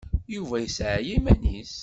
Yuba yesseɛya iman-is.